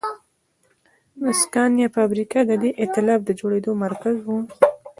د سکانیا فابریکه د دې اېتلاف د جوړېدو مرکز و.